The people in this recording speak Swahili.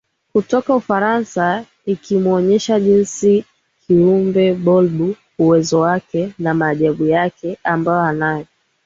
kutoka Ufarasa ikimuonyesha jinsi kiumbe bolb uwezo wake na maajabu yake ambayo anayo